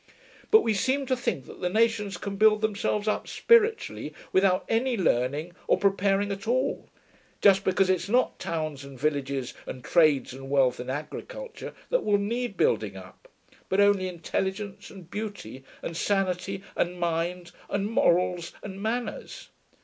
But we seem to think that the nations can build themselves up spiritually without any learning or preparing at all, just because it's not towns and villages and trades and wealth and agriculture that will need building up, but only intelligence and beauty and sanity and mind and morals and manners.